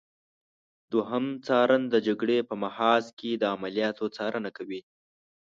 دوهم څارن د جګړې په محاذ کې د عملیاتو څارنه کوي.